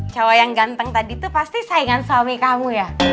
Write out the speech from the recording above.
cowok yang ganteng tadi itu pasti saingan suami kamu ya